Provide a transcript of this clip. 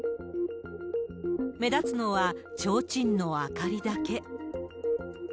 目立つのは、ちょうちんの明かりだけ。